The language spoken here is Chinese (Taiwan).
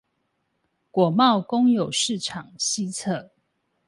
果貿公有市場西側